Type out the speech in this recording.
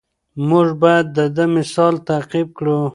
موږ باید د ده مثال تعقیب کړو.